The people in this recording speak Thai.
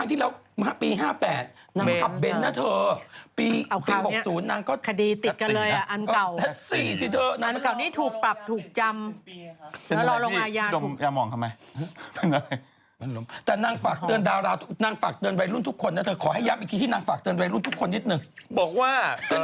อีโรคจิตอันลิสต์วะ